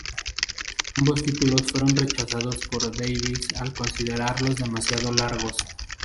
Ambos títulos fueron rechazados por Davies al considerarlos demasiado largos.